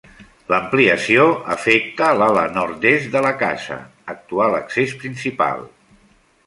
L'ampliació afecta l'ala nord-est de la casa, actual accés principal.